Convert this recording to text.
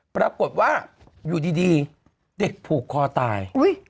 ปรากฏว่าอยู่ดีเด็กผูกคอตาย